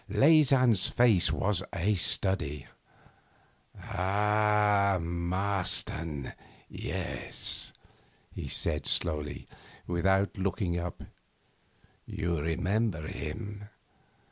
Leysin's face was a study. 'Ah, Marston, yes,' he said slowly, without looking up; 'you remember him.